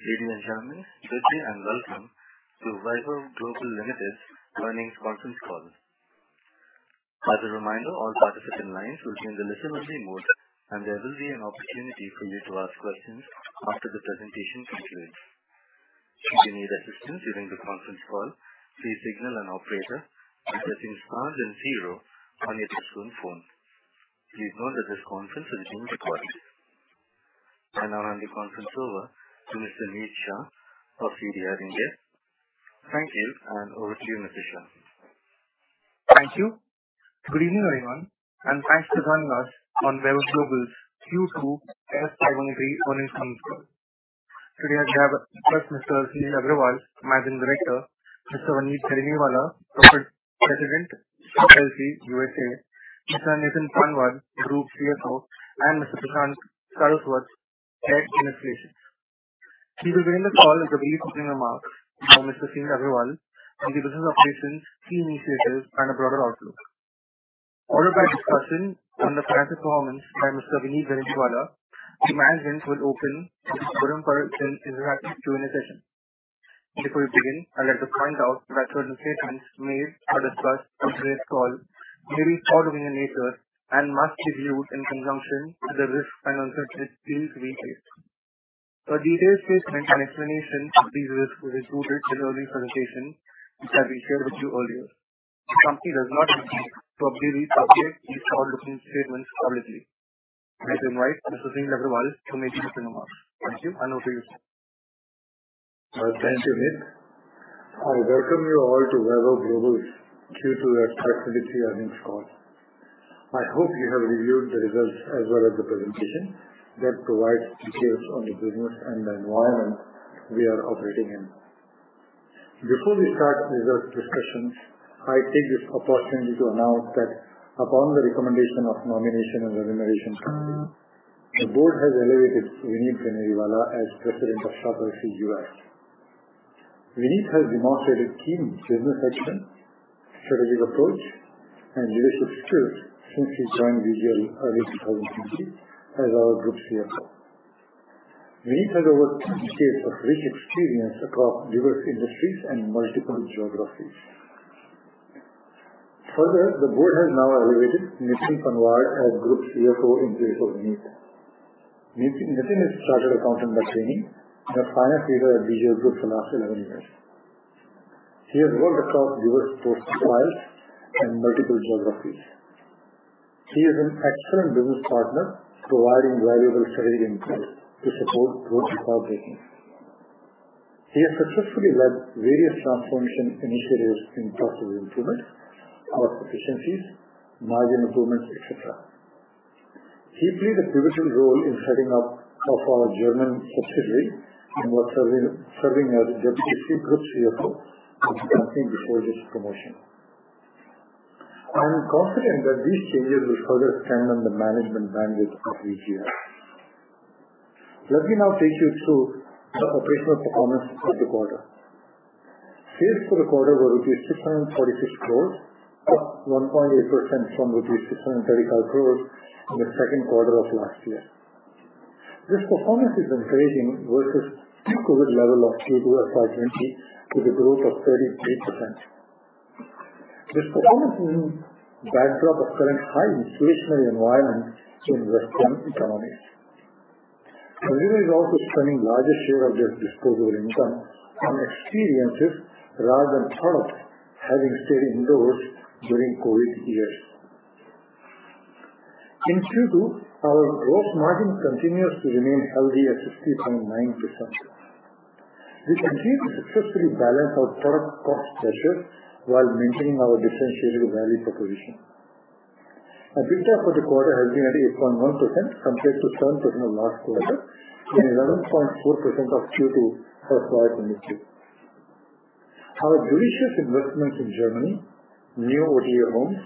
Ladies and gentlemen, good day and welcome to Vaibhav Global Limited's earnings conference call. As a reminder, all participant lines will be in the listen-only mode, and there will be an opportunity for you to ask questions after the presentation concludes. If you need assistance during the conference call, please signal an operator by pressing star then zero on your telephone. Please note that this conference is being recorded. I'll now hand the conference over to Mr. Nishit Shah of CDR India. Thank you, and over to you, Mr. Shah. Thank you. Good evening, everyone, and thanks for joining us on Vaibhav Global's Q2 FY 2023 earnings conference call. Today I have first Mr. Sunil Agrawal, Managing Director, Mr. Vineet Ganeriwala, President, Shop LC, Mr. Nitin Panwad, Group CFO, and Mr. Prashant Saraswat, Head, Investor Relations. We begin the call with a brief opening remarks from Mr. Sunil Agrawal on the business operations, key initiatives, and a broader outlook. Followed by a discussion on the financial performance by Mr. Vineet Ganeriwala. The management will open the forum for an interactive Q&A session. Before we begin, I'd like to point out that certain statements made or discussed on this call may be forward-looking in nature and must be viewed in conjunction with the risks and uncertainties being stated. A detailed statement and explanation of these risks is included in the earlier presentation, which have been shared with you earlier. The company does not intend to update these forward-looking statements publicly. I invite Mr. Sunil Agrawal to make the opening remarks. Thank you, and over to you, sir. Thank you, Nit. I welcome you all to Vaibhav Global's Q2 FY 2023 earnings call. I hope you have reviewed the results as well as the presentation that provides details on the business and the environment we are operating in. Before we start results discussions, I take this opportunity to announce that upon the recommendation of Nomination and Remuneration Committee, the board has elevated Vineet Ganeriwala as President of Shop LC US. Vineet has demonstrated keen business acumen, strategic approach, and leadership skills since he joined VGL early 2020 as our group CFO. Vineet has over two decades of rich experience across diverse industries and multiple geographies. Further, the board has now elevated Nitin Panwad as group CFO in place of Vineet. Nitin is chartered accountant by training and a finance leader at VGL Group for the last 11 years. He has worked across diverse portfolios and multiple geographies. He is an excellent business partner providing valuable strategic input to support growth and profitability. He has successfully led various transformation initiatives in process improvement, cost efficiencies, margin improvements, et cetera. He played a pivotal role in setting up of our German subsidiary and was serving as deputy group CFO of the company before this promotion. I am confident that these changes will further strengthen the management bandwidth of VGL. Let me now take you through the operational performance of the quarter. Sales for the quarter were rupees 646 crores, up 1.8% from rupees 635 crores in the second quarter of last year. This performance is encouraging versus pre-COVID level of Q2 FY 2020 with a growth of 33%. This performance in backdrop of current high inflationary environment in western economies. Consumer is also spending larger share of their disposable income on experiences rather than product, having stayed indoors during COVID years. In Q2, our gross margin continues to remain healthy at 69.9%. We continue to successfully balance our product cost pressures while maintaining our differentiated value proposition. EBITDA for the quarter has been 88.1% compared to 10% of last quarter and 11.4% of Q2 FY 2022. Our judicious investments in Germany, new OTA homes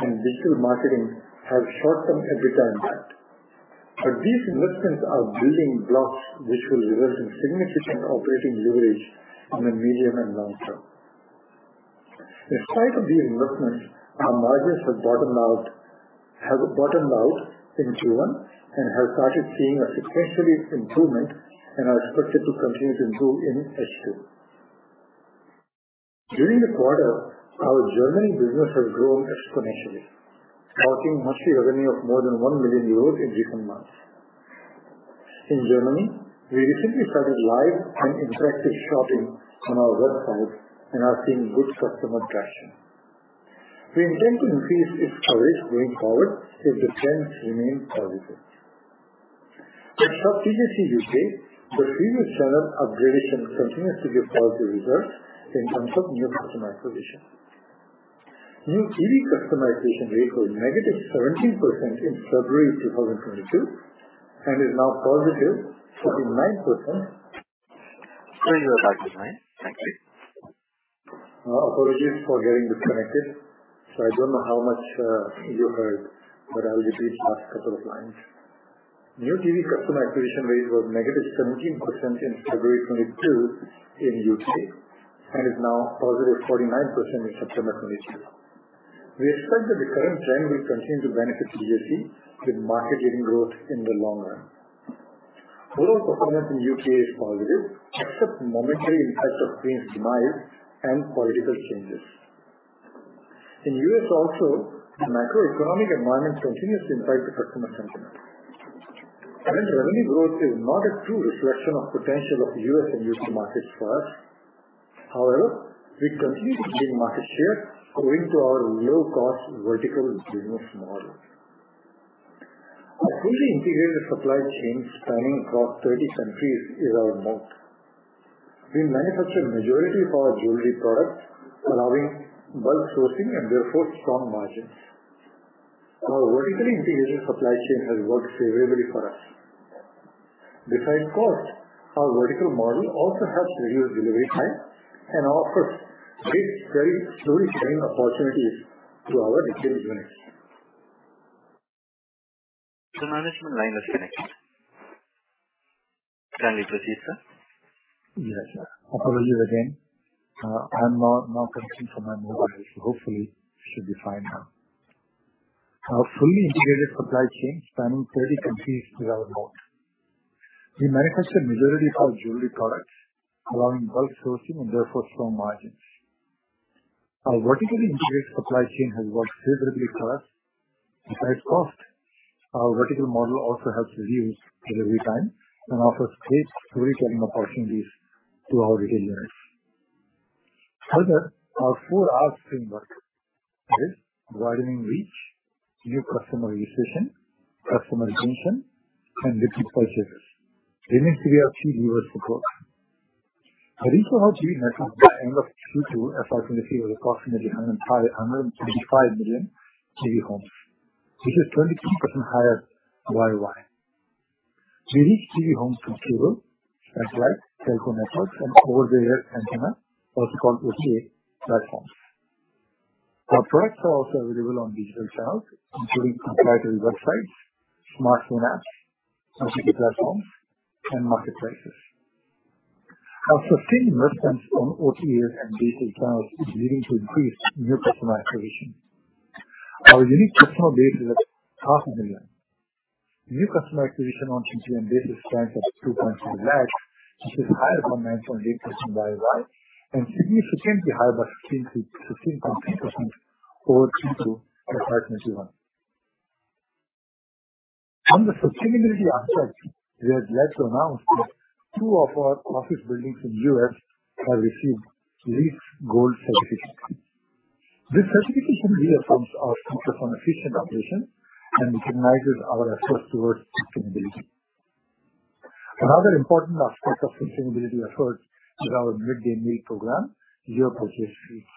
and digital marketing have short-term EBITDA impact. These investments are building blocks which will result in significant operating leverage on the medium and long term. In spite of these investments, our margins have bottomed out in Q1 and have started seeing a sequential improvement and are expected to continue to improve in H2. During the quarter, our Germany business has grown exponentially, crossing monthly revenue of more than 1 million euros in recent months. In Germany, we recently started live and interactive shopping on our website and are seeing good customer traction. We intend to increase this coverage going forward if the trends remain positive. At Shop LC, the previous channel upgradation continues to give positive results in terms of new customer acquisition. New TV customization rate was -17% in February 2022, and is now +49%. Can you go back a slide? Thank you. Apologies for getting disconnected. I don't know how much you heard, but I'll repeat last couple of lines. New TV customer acquisition rate was negative 17% in February 2022 in U.S. and is now positive 49% in September 2022. We expect that the current trend will continue to benefit GFC with market-leading growth in the long run. Overall performance in U.K. is positive, except momentary impacts of Queen's demise and political changes. In U.S. also, the macroeconomic environment continues to impact the customer sentiment. Current revenue growth is not a true reflection of potential of U.S. and U.K. markets for us. However, we continue to gain market share owing to our low-cost vertical business model. Our fully integrated supply chain spanning across 30 countries is our moat. We manufacture majority of our jewelry products, allowing bulk sourcing and therefore strong margins. Our vertically integrated supply chain has worked favorably for us. Besides cost, our vertical model also helps reduce delivery time and offers great storytelling opportunities to our retail units. The management line is connected. Can we proceed, sir? Yes, sir. Apologies again. I'm now connected from my mobile, so hopefully should be fine now. Our fully integrated supply chain spanning 30 countries is our moat. We manufacture majority of our jewelry products, allowing bulk sourcing and therefore strong margins. Our vertically integrated supply chain has worked favorably for us. Besides cost, our vertical model also helps reduce delivery time and offers great storytelling opportunities to our retail units. Further, our 4Rs framework is widening reach, new customer acquisition, customer retention, and repeat purchase. They link to our three-year support. The reach of our TV network by end of Q2 FY 2023 was approximately 135 million TV homes. This is 22% higher year-over-year. We reach TV homes through cable, satellite, telco networks, and over-the-air antenna, also called OTA platforms. Our products are also available on digital channels, including proprietary websites, smartphone apps, OTT platforms, and marketplaces. Our sustained investments on OTAs and digital channels is leading to increased new customer acquisition. Our unique customer base is at 500,000. New customer acquisition on GMV stands at 2.2 lakh, which is higher by 9.8% year-over-year, and significantly higher by 16.3% over Q2 of FY 2021. On the sustainability aspect, we are glad to announce that two of our office buildings in U.S. have received LEED Gold certification. This certification reaffirms our focus on efficient operation and recognizes our efforts towards sustainability. Another important aspect of sustainability efforts is our mid-day meal program, Zero Hunger Schools.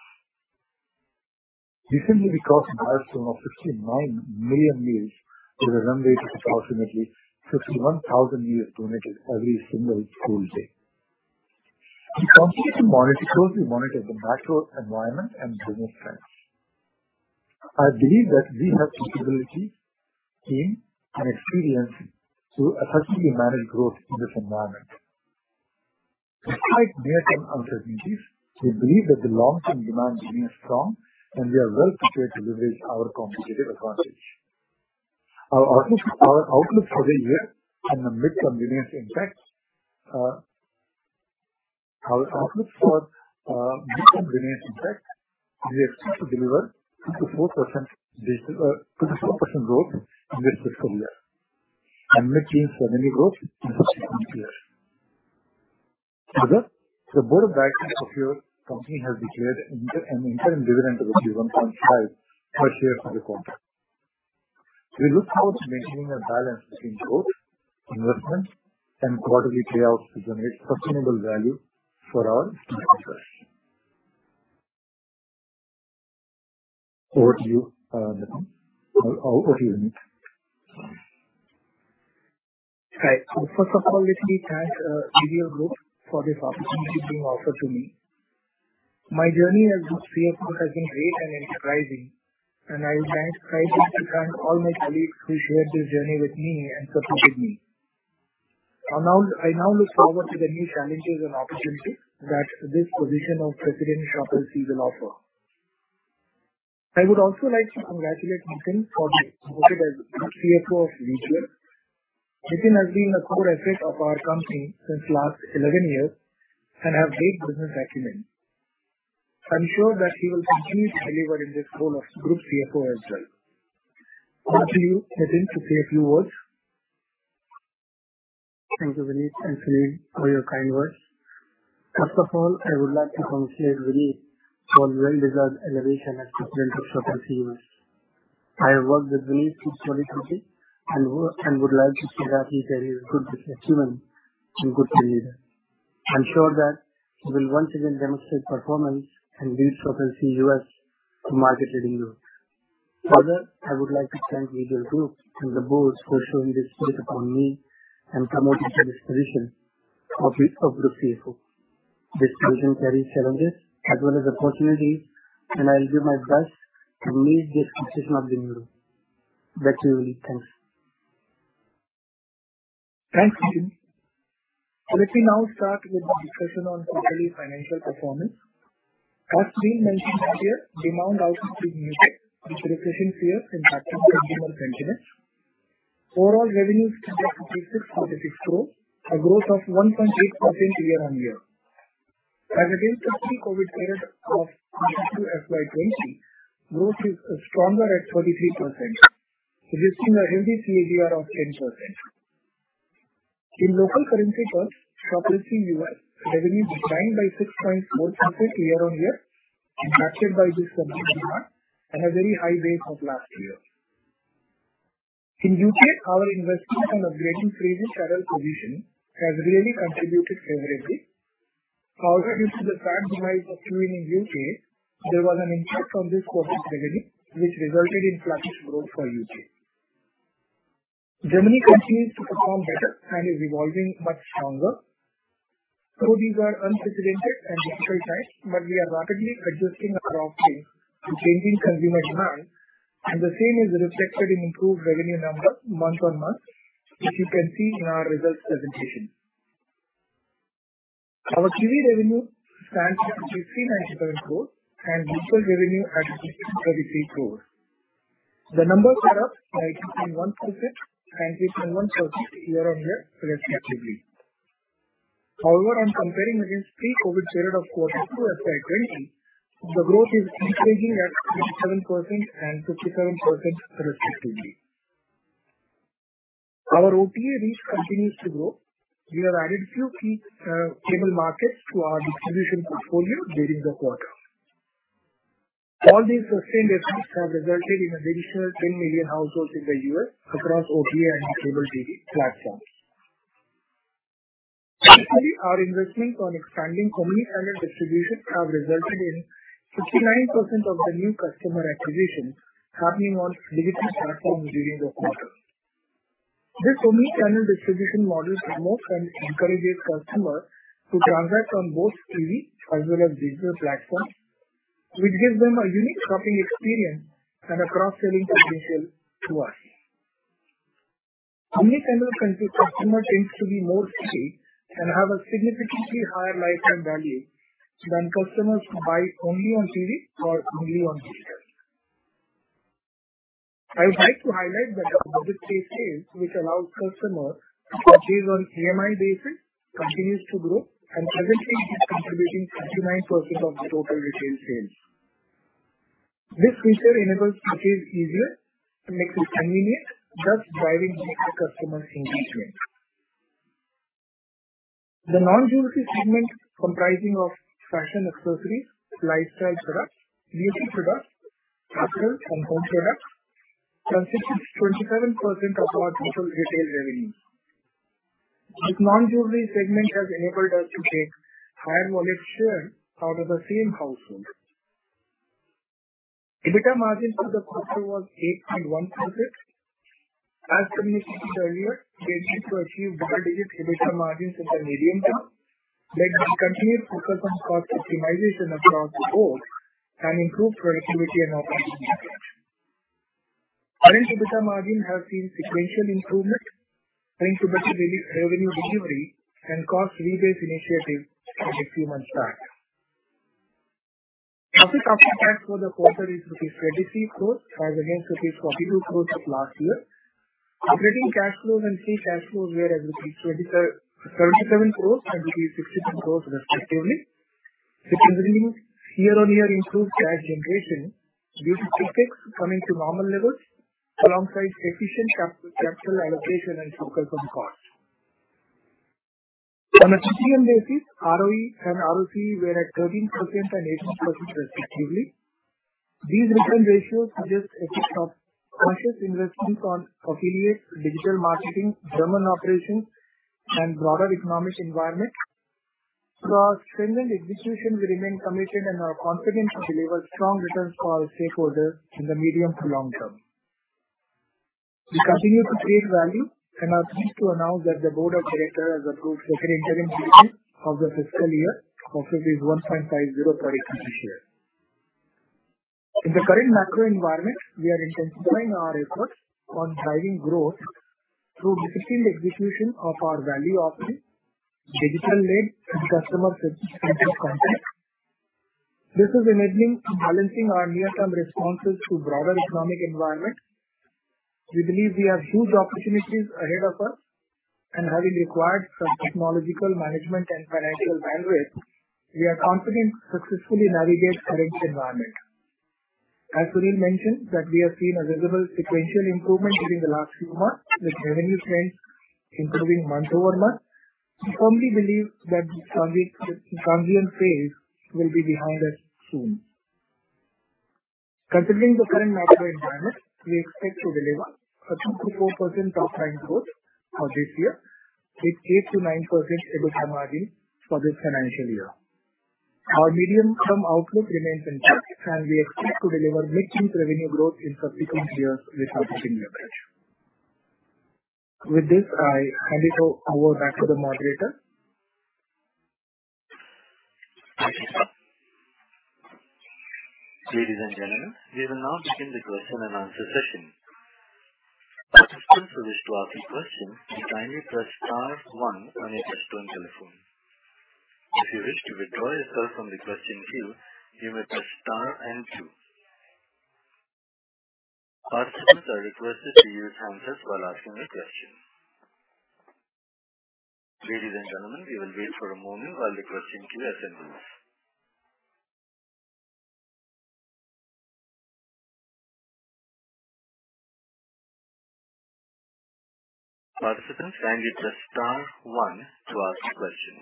Recently we crossed a milestone of 59 million meals with a run rate of approximately 51,000 meals donated every single school day. We continue to closely monitor the macro environment and business trends. I believe that we have capability, team, and experience to effectively manage growth in this environment. Despite near-term uncertainties, we believe that the long-term demand remains strong, and we are well-prepared to leverage our competitive advantage. Our outlook for the year and the mid-term resilience impact is we expect to deliver 2%-4% growth in this fiscal year and maintain revenue growth in the succeeding years. Further, the Board of Directors of your company has declared an interim dividend of 1.5 per share for the quarter. We look forward to maintaining a balance between growth, investment, and quarterly payouts to generate sustainable value for our shareholders. Over to you, Nitin. Right. First of all, let me thank VGL Group for this opportunity being offered to me. My journey as Group CFO has been great and enterprising, and I would like to thank all my colleagues who shared this journey with me and supported me. I now look forward to the new challenges and opportunities that this position of President of Shop LC will offer. I would also like to congratulate Nitin Panwad for being appointed as Group CFO of Vaibhav Global. Nitin Panwad has been a core asset of our company since the last 11 years and has great business acumen. I'm sure that he will continue to deliver in this role of Group CFO as well. Over to you, Nitin Panwad, to say a few words. Thank you, Vineet and Sunil, for your kind words. First of all, I would like to congratulate Vineet for well-deserved elevation as President of Shop LC. I have worked with Vineet since joining the company and would like to say that he's a good business acumen and good team leader. I'm sure that he will once again demonstrate performance and lead Shop LC to market-leading growth. Further, I would like to thank VGL Group and the boards for showing their faith upon me and promoting me to this position of Group CFO. This position carries challenges as well as opportunities, and I'll do my best to meet the expectations of the new role. Back to you, Vineet. Thanks. Thanks, Sunil. Let me now start with the discussion on quarterly financial performance. As has been mentioned earlier, demand outlook is muted with recession fears impacting consumer sentiment. Overall revenues of 66 billion crores, a growth of 1.8% year-on-year. As against the pre-COVID period of FY 2020, growth is stronger at 33%, resulting in a healthy CAGR of 10%. In local currency terms, excluding U.S., revenue declined by 6.4% year-on-year, impacted by this comparison and a very high base of last year. In U.K., our investments on upgrading regional channel positioning has really contributed favorably. However, due to the bad weather of Q in U.K., there was an impact on this quarter's revenue which resulted in flat growth for U.K. Germany continues to perform better and is evolving much stronger. These are unprecedented and difficult times, but we are rapidly adjusting our offering to changing consumer demand, and the same is reflected in improved revenue numbers month-on-month, which you can see in our results presentation. Our TV revenue stands at 15.7 crores, and digital revenue at 63 crores. The numbers are up by 51% and 51% year-on-year respectively. However, on comparing against pre-COVID period of quarter two FY 2020, the growth is decreasing at 67% and 57% respectively. Our OTA reach continues to grow. We have added few key cable markets to our distribution portfolio during the quarter. All these sustained efforts have resulted in an additional 10 million households in the US across OTA and cable TV platforms. Actually, our investments on expanding omni-channel distribution have resulted in 59% of the new customer acquisitions happening on digital platforms during this quarter. This omni-channel distribution model promotes and encourages customers to transact on both TV as well as digital platforms, which gives them a unique shopping experience and a cross-selling potential to us. Omni-channel customer tends to be more sticky and have a significantly higher lifetime value than customers who buy only on TV or only on digital. I would like to highlight that Budget Pay sales, which allows customers to purchase on EMI basis, continues to grow and currently is contributing 39% of the total retail sales. This feature enables purchase easier and makes it convenient, thus driving better customer engagement. The non-jewelry segment comprising of fashion accessories, lifestyle products, beauty products, apparel and home products constitutes 27% of our total retail revenue. This non-jewelry segment has enabled us to take higher wallet share out of the same household. EBITDA margin for the quarter was 8.1%. As committed earlier, we aim to achieve double-digit EBITDA margins in the medium term. There is continued focus on cost optimization across the board and improved productivity and operational excellence. Our EBITDA margin have seen sequential improvement, thanks to better revenue delivery and cost rebase initiatives from the previous months back. Operating profit after tax for the quarter is rupees 33 crore as against rupees 22 crore of last year. Operating cash flows and free cash flows were at rupees 37 crore and rupees 62 crore respectively, which is driven year-on-year improved cash generation due to effects coming to normal levels alongside efficient capital allocation and focus on costs. On a TTM basis, ROE and ROCE were at 13% and 18% respectively. These return ratios suggest effect of conscious investments on affiliates, digital marketing, German operations, and broader economic environment. Through our stringent execution, we remain committed and are confident to deliver strong returns for our stakeholders in the medium to long term. We continue to create value and are pleased to announce that the board of directors approved second interim dividend of the fiscal year, that is, 1.50 per equity share. In the current macro environment, we are intensifying our efforts on driving growth through disciplined execution of our value offering, digital-led customer-centric content. This is enabling balancing our near-term responses to broader economic environment. We believe we have huge opportunities ahead of us and have required technological management and financial bandwidth. We are confident to successfully navigate current environment. Sunil mentioned that we have seen a visible sequential improvement during the last few months, with revenue trends improving month-over-month. We firmly believe that this challenging phase will be behind us soon. Considering the current macro environment, we expect to deliver 2%-4% top-line growth for this year with 8%-9% EBITDA margin for this financial year. Our medium-term outlook remains intact, and we expect to deliver mid-teens revenue growth in subsequent years with operating leverage. With this, I hand it over to the moderator. Ladies and gentlemen, we will now begin the question and answer session. Participants who wish to ask a question, kindly press star one on your touch-tone telephone. If you wish to withdraw yourself from the question queue, you may press star and two. Participants are requested to use handsets while asking a question. Ladies and gentlemen, we will wait for a moment while the question queue assembles. Participants, kindly press star one to ask a question.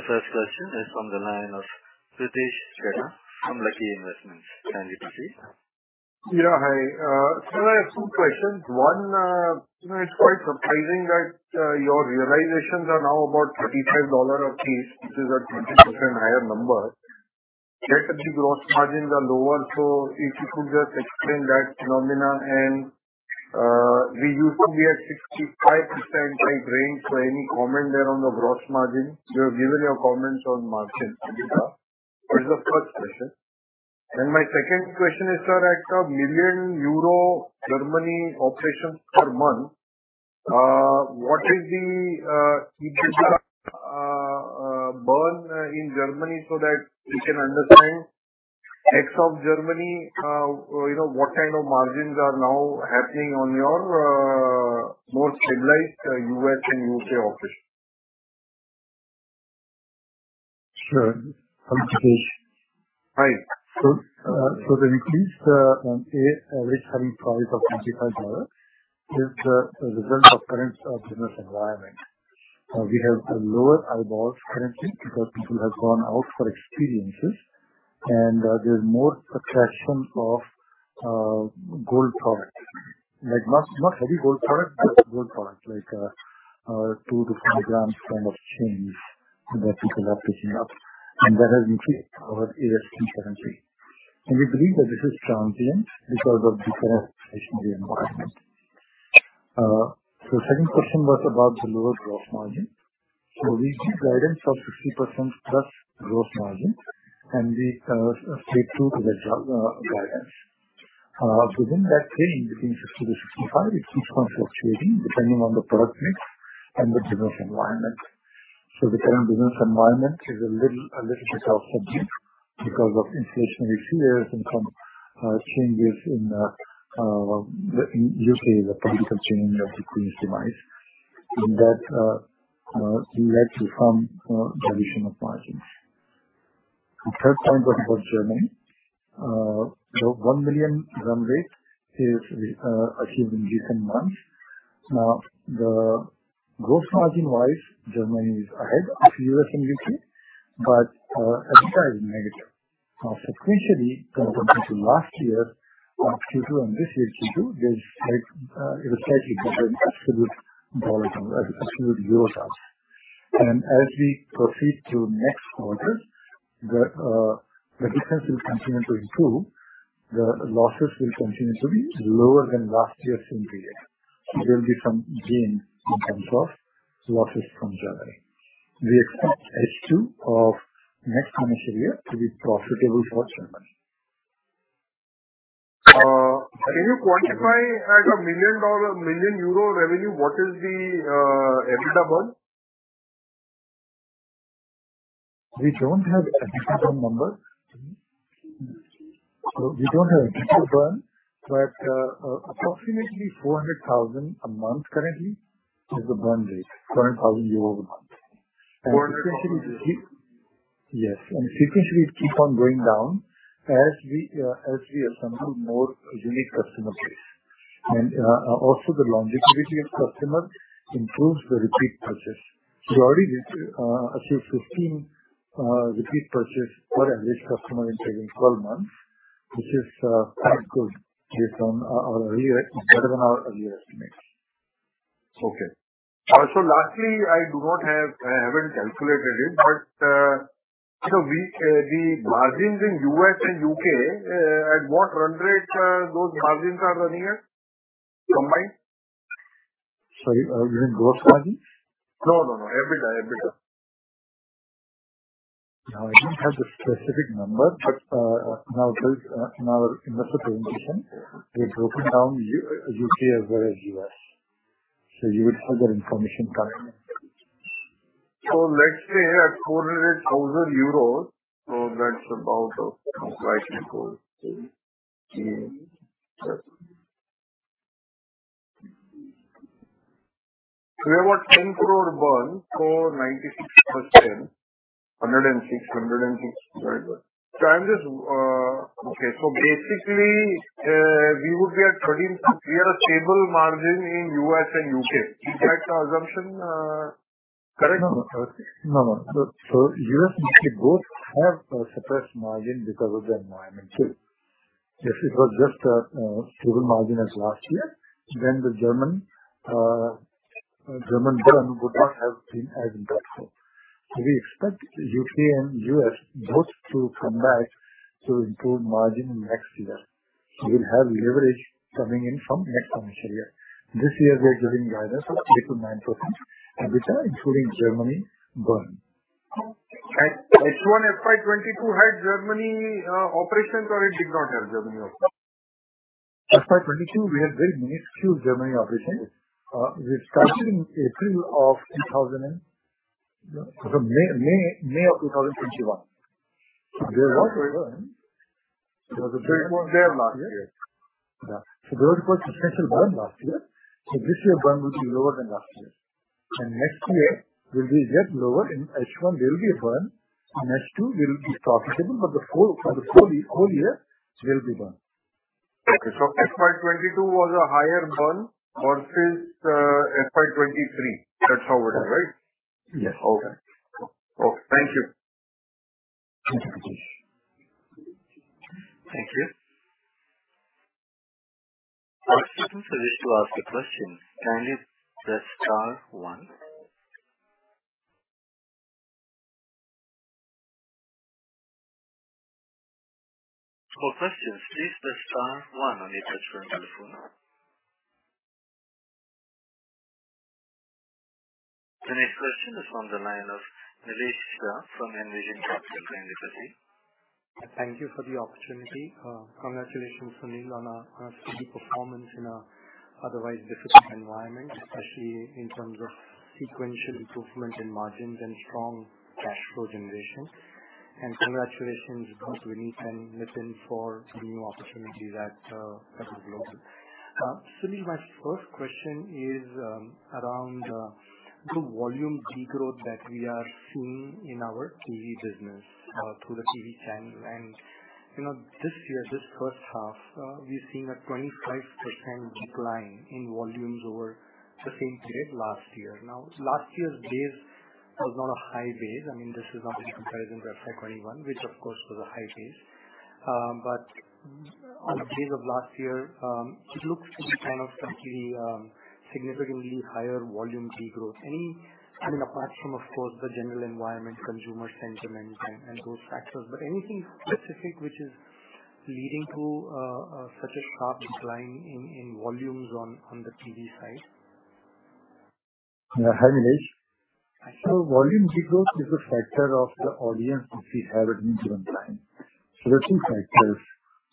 The first question is from the line of Pritesh Chheda from Lucky Investment Managers. Thank you, Pritesh. Yeah, hi. So I have two questions. One, you know, it's quite surprising that your realizations are now about $35 a piece, which is a 20% higher number, yet the gross margins are lower, so if you could just explain that phenomenon. We used to be at 65% type range, so any comment there on the gross margin. You have given your comments on margin. That is the first question. My second question is, sir, at 1 million euro Germany operations per month, what is the EBITDA burn in Germany so that we can understand ex of Germany, you know, what kind of margins are now happening on your more stabilized US and UK office? Sure. Hi, Pritesh. Hi. The increase in average selling price of $25 is the result of current business environment. We have lower eyeballs currently because people have gone out for experiences and there's more attraction of gold products. Like not heavy gold products, but gold products like 2 grams-5 grams kind of chains that people are picking up and that has increased our ASP currently. We believe that this is transient because of different seasonal environment. Second question was about the lower gross margin. We keep guidance of 60%+ gross margin, and we stay true to the guidance. Within that range between 60%-65%, it keeps on fluctuating depending on the product mix and the business environment. The current business environment is a little bit subdued because of inflationary fears and some changes in U.K., the political change that the Queen's demise, and that led to some deterioration of margins. The third point was for Germany. The 1 million run rate is achieved in recent months. Now, the gross margin-wise, Germany is ahead of U.S. and U.K., but EBITDA is negative. Now, sequentially, when compared to last year Q2 and this year's Q2, there's like it was slightly better in absolute euro terms. As we proceed to next quarter, the difference will continue to improve. The losses will continue to be lower than last year's same period. There will be some gain in terms of losses from Germany. We expect H2 of next financial year to be profitable for Germany. Can you quantify like $1 million, 1 million euro revenue? What is the EBITDA burn? We don't have EBITDA burn numbers. We don't have EBITDA burn, but approximately 400,000 a month currently is the burn rate. 400,000 euros a month. 400,000 Yes. Sequentially it keep on going down as we assume more unique customer base. Also the longevity of customer improves the repeat purchase. We've already reached, I think 15 repeat purchase for an average customer in say 12 months, which is quite good, better than our earlier estimates. Okay. Lastly, I haven't calculated it, but, you know, we, the margins in U.S. and U.K., at what run rate, those margins are running at combined? Sorry, you mean gross margin? No. EBITDA. I don't have the specific number, but now this in our investor presentation, we've broken down U.K. as well as U.S. You would find that information currently. Let's say at EUR 400,000. We have a INR 10 crore burn for 96%. 106. Very good. Basically, we would be at 13. We have a stable margin in U.S. and U.K. Is that assumption correct? No. US and UK both have a suppressed margin because of the environment too. If it was just a stable margin as last year, then the Germany burn would not have been as impressive. We expect UK and US both to come back to improve margin next year. We will have leverage coming in from next financial year. This year, we are giving guidance of 8%-9%, which are including Germany burn. H1 FY 2022 had Germany operations, or it did not have Germany operations? FY 2022, we had very minuscule Germany operations. We started in May of 2021. There was a burn. There was a burn last year. Yeah. There was a substantial burn last year. This year, burn will be lower than last year. Next year will be yet lower. In H1, there will be a burn. In H2, we will be profitable, but for the full-year will be burn. Okay. FY 2022 was a higher burn versus FY 2023. That's how it is, right? Yes. Okay. Cool. Thank you. Thank you. Thank you. For speakers who wish to ask a question, kindly press star one. For questions, please press star one on your touchtone telephone. The next question is on the line of Nilesh Shah from Envision Capital Services Private Limited. Thank you for the opportunity. Congratulations, Sunil, on a steady performance in an otherwise difficult environment, especially in terms of sequential improvement in margins and strong cash flow generation. Congratulations also, Vineet and Nitin, for the new opportunity that has arose. Sunil, my first question is around the volume decline that we are seeing in our TV business through the TV channel. You know, this year, this first half, we're seeing a 25% decline in volumes over the same period last year. Now, last year's base was not a high base. I mean, this is not a comparison to FY 2021, which of course was a high base. On the base of last year, it looks to be kind of slightly significantly higher volume decline. I mean, apart from, of course, the general environment, consumer sentiment and those factors, but anything specific which is leading to such a sharp decline in volumes on the TV side? Hi, Nilesh. Volume decline is a factor of the audience which we have at any given time. There are two factors.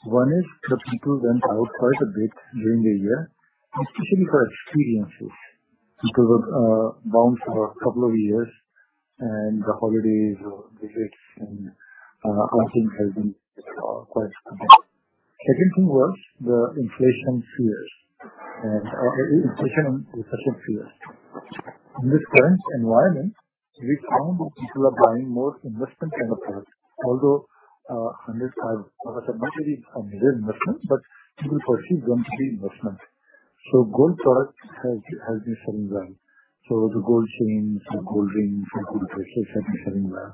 One is the people went out quite a bit during the year, especially for experiences. People were bound for a couple of years and the holidays or visits and outings has been quite compact. Second thing was the inflation fears and inflation and recession fears. In this current environment, we found people are buying more investment kind of products. Or let's say not really a real investment, but people perceive them to be investment. Gold products has been selling well. The gold chains, the gold rings and gold bracelets have been selling well.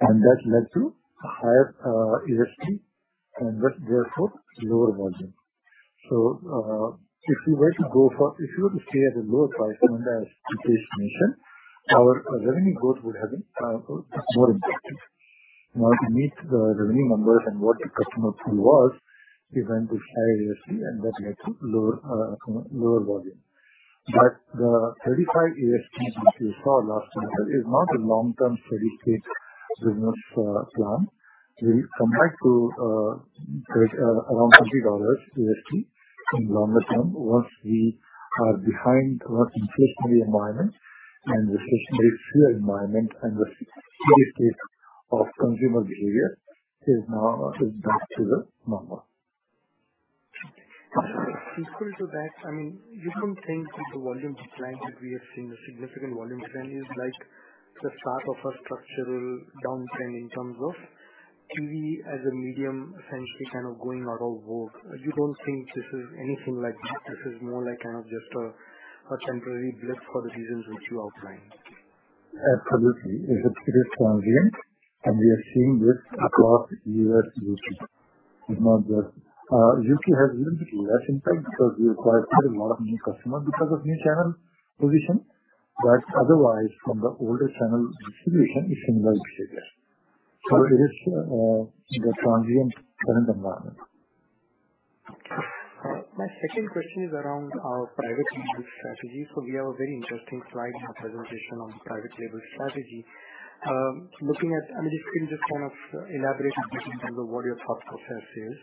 That led to a higher ASP and that therefore lower volume. If we were to stay at a lower price point as Vineet mentioned, our revenue growth would have been more impacted. In order to meet the revenue numbers and what the customer pull was, we went with high ASP and that led to lower volume. The 35 ASP which you saw last quarter is not a long-term steady state business plan. We'll come back to trade around $30 ASP in longer term once we are beyond the inflation environment and recessionary fear environment and the steady state of consumer behavior is back to normal. Subsequent to that, I mean, you don't think that the volume decline that we have seen, the significant volume decline is like the start of a structural downtrend in terms of TV as a medium essentially kind of going out of vogue. You don't think this is anything like that. This is more like kind of just a temporary blip for the reasons which you outlined. Absolutely. It is transient, and we are seeing this across U.S. YouTube. It's not that YouTube has little bit less impact because we acquired quite a lot of new customers because of new channel position. Otherwise, from the older channel distribution, it's similar shapes. It is the transient current environment. My second question is around our private label strategy. We have a very interesting slide in your presentation on the private label strategy. I mean, you can just kind of elaborate a bit in terms of what your thought process is.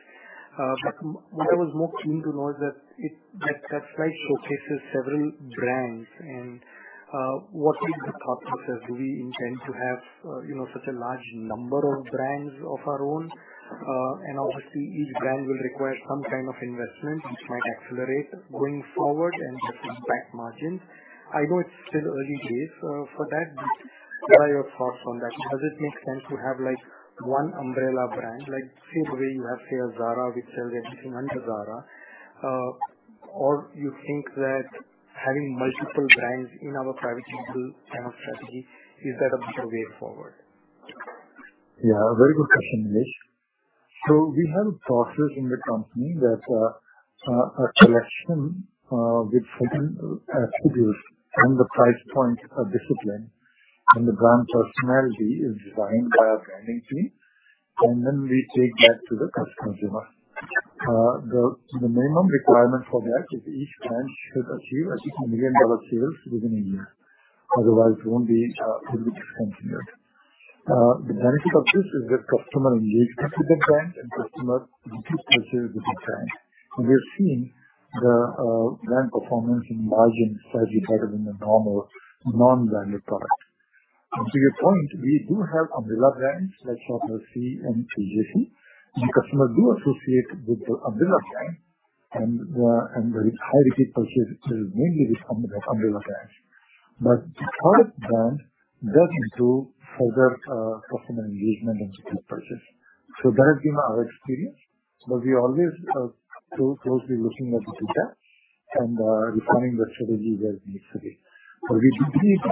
What I was more keen to know is that that slide showcases several brands and what is the thought process? Do we intend to have you know such a large number of brands of our own? Obviously each brand will require some kind of investment which might accelerate going forward and that impact margins. I know it's still early days for that. What are your thoughts on that? Does it make sense to have like one umbrella brand like say the way you have say a Zara which sells everything under Zara? You think that having multiple brands in our private label kind of strategy is that a better way forward? Yeah, very good question, Nilesh. We have a process in the company that a collection with certain attributes and the price point of discipline and the brand personality is designed by our branding team, and then we take that to the customer. The minimum requirement for that is each brand should achieve at least $1 million sales within a year. Otherwise it won't be, it will be discontinued. The benefit of this is that customer engaged with the brand and customer purchase with the brand. We're seeing the brand performance and margins has been better than the normal non-branded products. To your point, we do have umbrella brands like Shop LC and TJC, and customers do associate with the umbrella brand and the high repeat purchase is mainly with umbrella brands. Product brand does improve further, customer engagement and purchase. That has been our experience, but we always are so closely looking at the data and refining the strategy where it needs to be. We believe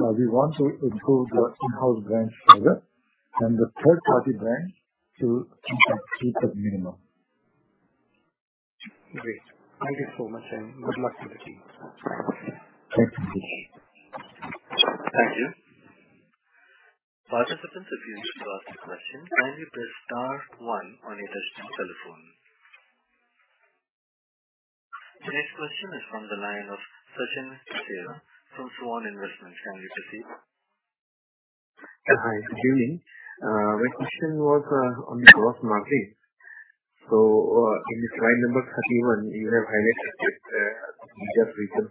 we want to improve the in-house brands further and the third-party brands to keep that 3% minimum. Great. Thank you so much, and good luck to the team. Thank you. Thank you. Participants, if you wish to ask a question, kindly press star one on your touch-tone telephone. The next question is from the line of Sachin Kasera from Svan Investment. Can we proceed? Hi, good evening. My question was on the gross margin. In the slide number 31, you have highlighted that you just reached a 3%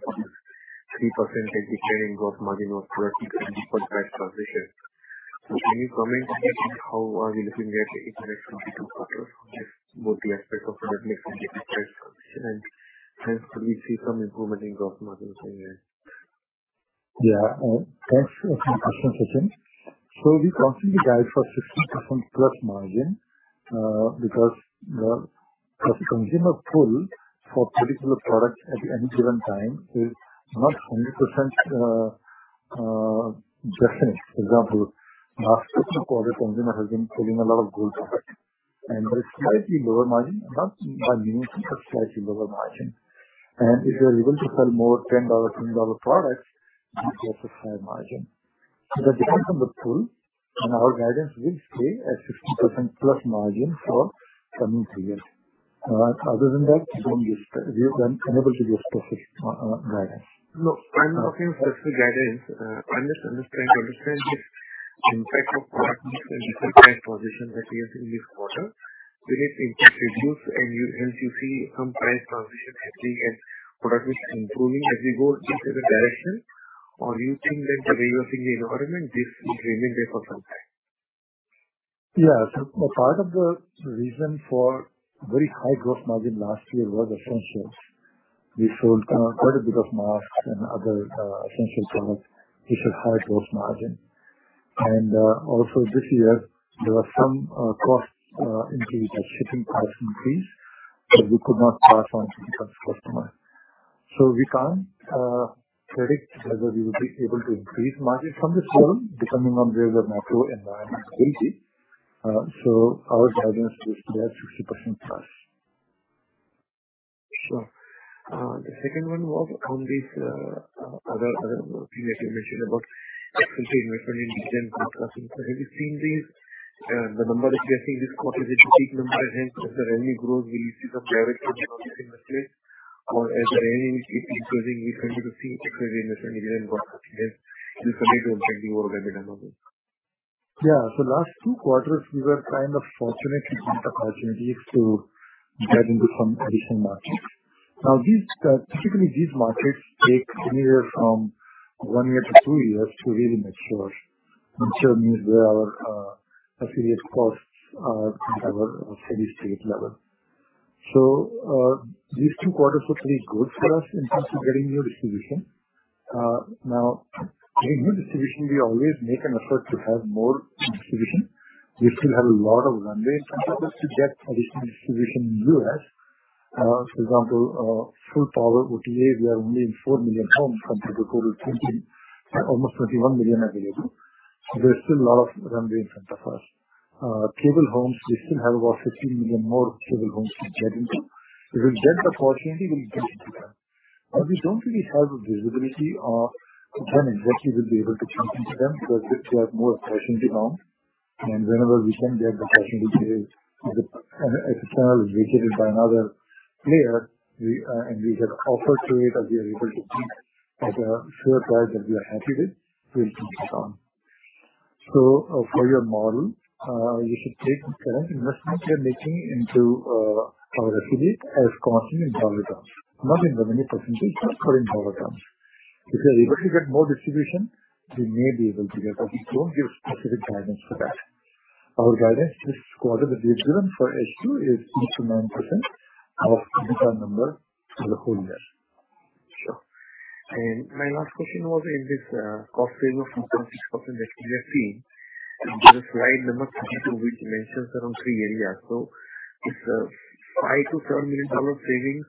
decline in gross margin of product due to different price transitions. Can you comment how are you looking at it in the coming quarters, both the aspects of product mix and price transition, and can we see some improvement in gross margins anywhere? Yeah. Thanks for the question, Sachin. We constantly guide for 60%+ margin, because the consumer pool for particular products at any given time is not 100% definite. For example, last quarter consumer has been selling a lot of gold product, and there is slightly lower margin, not by much, but slightly lower margin. If you are able to sell more $10 products, you get the higher margin. That depends on the pool and our guidance will stay at 60%+ margin for coming three years. Other than that, we're unable to give specific guidance. No, I'm talking of specific guidance. I'm just understanding this impact of product mix and different price transitions that we have seen this quarter. Will the impact reduce, and do you see some price transition happening and product mix improving as we go into the direction? Or do you think that the reversing environment this will remain there for some time? Yeah. Part of the reason for very high gross margin last year was essentials. We sold quite a bit of masks and other essential products, which had high gross margin. Also this year, there were some costs increased as shipping price increased, but we could not pass on to the customer. We can't predict whether we will be able to increase margin from this level depending on where the macro environment will be. Our guidance is there 60%+. Sure. The second one was on this other thing that you mentioned about affiliate marketing design cost. Have you seen this? The number that we are seeing this quarter is a peak number, and hence as the revenue grows, will you see some leverage on this affiliate? Or as the A&A keep increasing, we tend to see this affiliate marketing design cost, hence we'll continue expecting lower revenue numbers. Yeah. Last two quarters, we were kind of fortunate to get opportunities to get into some additional markets. Now, these typically these markets take anywhere from 1 year-2 years to really mature. Mature means where our affiliate costs are at our steady-state level. These two quarters were pretty good for us in terms of getting new distribution. Now, in new distribution, we always make an effort to have more distribution. We still have a lot of runway in terms of us to get additional distribution in U.S. For example, full power OTA, we are only in 4 million homes compared to total almost 21 million available. There's still a lot of runway in front of us. Cable homes, we still have about 15 million more cable homes to get into. If we get the opportunity, we'll get into them. We don't really have a visibility of determining that we will be able to jump into them because they have more specialty now. Whenever we can get the specialty, if its channel is vacated by another player, we have offer for it and we are able to take at a fair price that we are happy with, we'll jump on it. For your model, you should take the current investment we are making into our affiliate as constant in dollar terms, not in the revenue percentage, but in dollar terms. If we are able to get more distribution, but we don't give specific guidance for that. Our guidance this quarter, the full-year for H2 is 6%-9% of current number for the full-year. Sure. My last question was in this cost save of 6% that we are seeing in slide number 32, which mentions around three areas. Is five to seven million dollar savings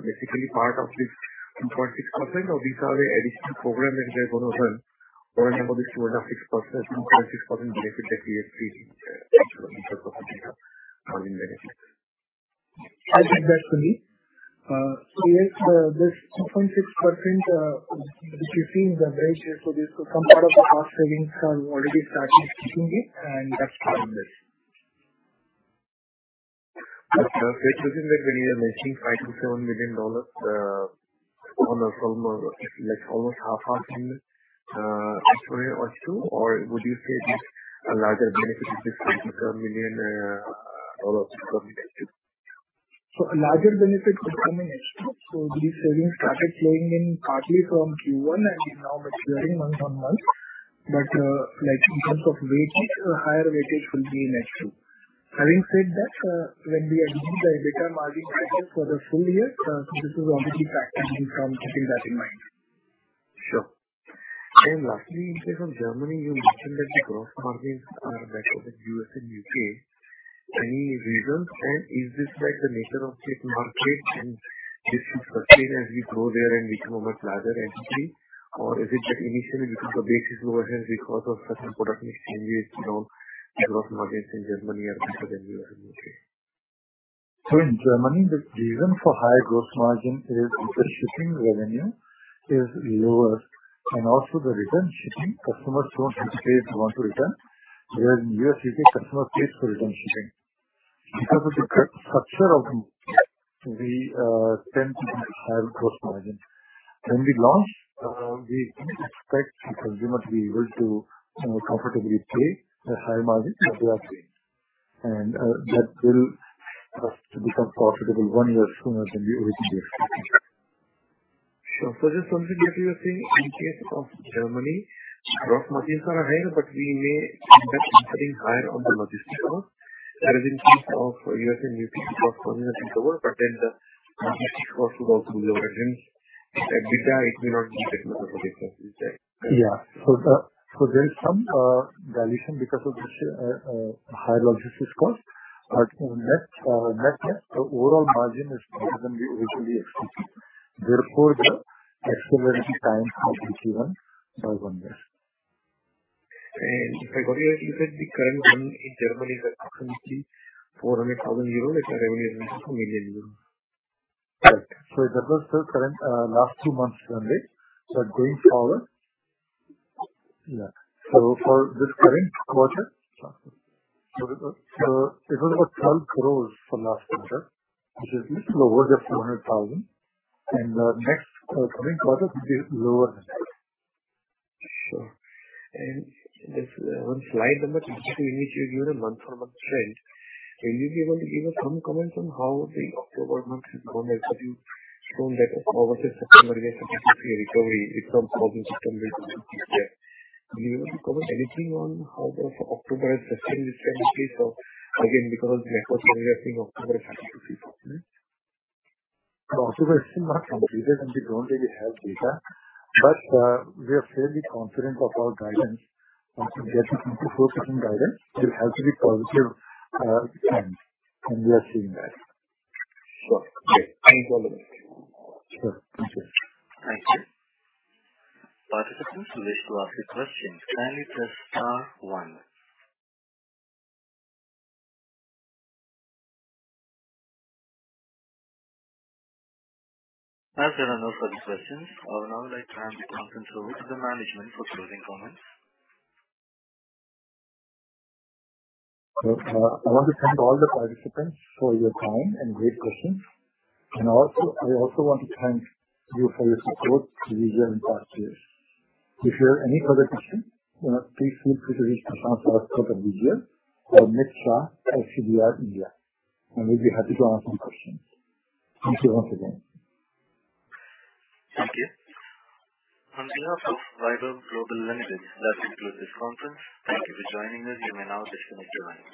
basically part of this 2.6%, or these are the additional program if they're gonna run or on top of the 2.6% benefit that we have seen in your presentation. I'll take that, Sunil. Yes, this 2.6%, which you're seeing the bridge, so there's some part of the cost savings are already started kicking in and that's driving this. within that when you are making $5 million-$7 million from a, like, almost half a million dollars in Q2, or would you say this a larger benefit which is $2.6 million, or A larger benefit would come in H2. These savings started flowing in partly from Q1 and now maturing month on month. In terms of weightage, a higher weightage will be in H2. Having said that, when we agreed the EBITDA margin guidance for the full-year, this is obviously factored in from keeping that in mind. Sure. Lastly, in case of Germany, you mentioned that the gross margins are better than U.S. and U.K. Any reason? Is this, like, the nature of each market and this should sustain as we grow there and become a much larger entity? Is it that initially because the base is lower here because of certain product mix changes, you know, gross margins in Germany are better than U.S. and U.K.? In Germany, the reason for higher gross margin is because shipping revenue is lower and also the return shipping, customers don't hesitate to want to return. Whereas in U.S., U.K., customer pays for return shipping. Because of the structure of the market, we tend to have higher gross margin. When we launch, we expect the consumer to be able to, you know, comfortably pay the high margin that we are seeing. That will help us to become profitable one year sooner than we originally expected. Sure. Just to reiterate what you are saying, in case of Germany, gross margins are higher, but we may end up incurring higher on the logistics cost. That is in case of U.S. and U.K., gross margin is lower, but then the logistics cost should also be lower and at EBITDA it may not be that much of a difference, is that correct? There is some dilution because of this higher logistics cost. In net-net, the overall margin is better than we originally expected. Therefore, the accelerating time has been driven by one year. If I got you said the current run in Germany is approximately EUR 400,000. It's a revenue of approximately one million EUR. Right. That was the current last two months run rate. Going forward. For this current quarter, it was about 12 crore for last quarter, which is lower than 400,000. Next current quarter it will be lower than that. Sure. There's one slide on the initial unit you gave a month-on-month trend. Will you be able to give us some comment on how the October month has gone? Like, have you shown that versus September there's a 50% recovery from August, September to October? Will you be able to comment anything on how the October-September trend is? Again, because of the network effect, we are seeing October is 50%-60%. October is still not completed and we don't really have data, but we are fairly confident of our guidance. To get to 24% guidance, it has to be positive trend, and we are seeing that. Sure. Great. Thanks a lot. Sure. Thank you. Thank you. Participants who wish to ask a question, can you press star one? As there are no further questions, I would now like to hand the conference over to the management for closing comments. I want to thank all the participants for your time and great questions. I also want to thank you for your support to Vaibhav in past years. If you have any further questions, you know, please feel free to reach Prashant or myself at Vaibhav or Mitra at CDR India, and we'll be happy to answer your questions. Thank you once again. Thank you. On behalf of Vaibhav Global Limited, that concludes this conference. Thank you for joining us. You may now disconnect your lines.